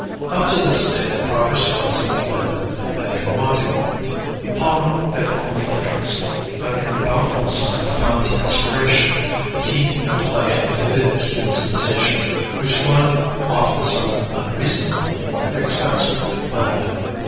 Up to this day the proper spice and flavor had been wanting. Palma had only interested me, but in Valdemosa I found the inspiration, the heat and play of vivid, keen sensation, which one (often somewhat unreasonably) expects from a new land.